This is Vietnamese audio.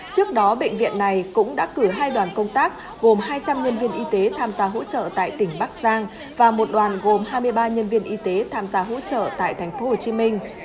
trước đó bệnh viện này cũng đã cử hai đoàn công tác gồm hai trăm linh nhân viên y tế tham gia hỗ trợ tại tỉnh bắc giang và một đoàn gồm hai mươi ba nhân viên y tế tham gia hỗ trợ tại thành phố hồ chí minh